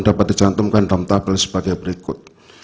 dapat dicantumkan dalam tabel sebagai berikut